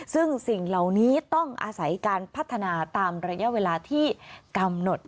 ซึ่งสิ่งเหล่านี้ต้องอาศัยการพัฒนาตามระยะเวลาที่กำหนด